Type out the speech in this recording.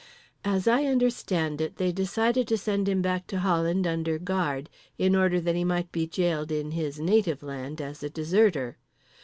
As I understand it, they decided to send him back to Holland under guard in order that he might be jailed in his native land as a deserter.